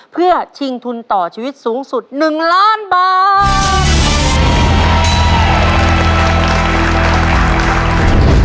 เพื่อชิงทุนต่อชีวิตสูงสุด๑ล้านบาท